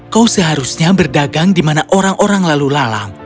kau seharusnya berdagang di mana orang orang lalu lalang